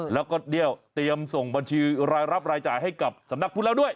แล้วก็เดี๋ยวเตรียมส่งบัญชีรายรับรายจ่ายให้กับสำนักพุทธแล้วด้วย